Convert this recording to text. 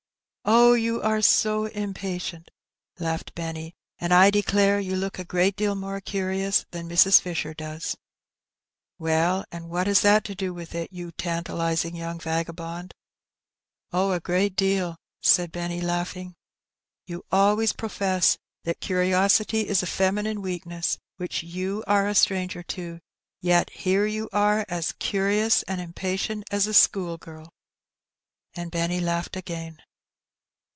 *' Oh, you are so impatient !" laughed Benny ;'' and I declare you look a great deal more curious than Mrs. Fisher does." " Well, and what has that to do with it, you tantalizing young vagabond ? }i The Question Settled. 267 " Oh, a greafc deal I *' said Benny, laughing; *'you always profess that curiosity is a feminine weakness which you are a stranger to, and yet here you are as curious and im patient as a school girl I '* and Benny laughed again.